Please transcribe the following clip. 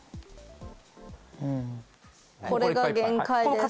これが限界です。